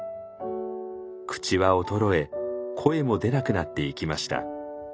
口は衰え声も出なくなっていきました。